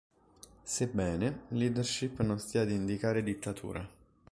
Sebbene, leadership non stia ad indicare dittatura.